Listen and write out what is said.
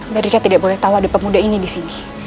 mereka tidak boleh tahu ada pemuda ini di sini